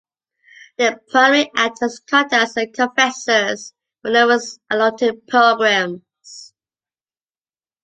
They primarily act as contacts and confessors for the numerous Altötting pilgrims.